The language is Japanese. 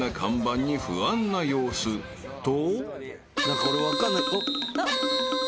［と］